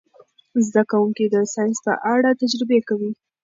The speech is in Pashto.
زده کوونکي د ساینس په اړه تجربې کوي.